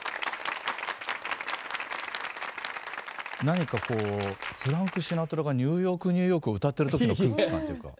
何かこうフランク・シナトラが「ニューヨーク・ニューヨーク」を歌ってる時の空気感っていうか。